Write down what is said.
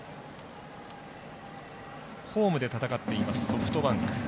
ホームで戦っていますソフトバンク。